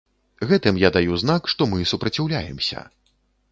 Гэтым я даю знак, што мы супраціўляемся.